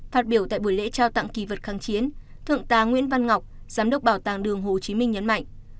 phát biểu tại buổi lễ trao tặng kỳ vật kháng chiến thượng tá nguyễn văn ngọc giám đốc bảo tàng đường hồ chí minh nhấn mạnh